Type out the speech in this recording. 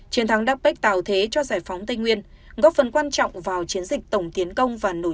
chiến thắng đắc bé tạo thế cho giải phóng tây nguyên góp phần quan trọng vào chiến dịch tổng tiến công